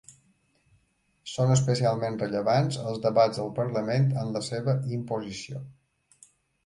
Són especialment rellevants els debats al Parlament en la seva imposició.